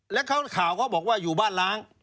แล้วข่าวเขาบอกว่าอยู่บ้านล้าง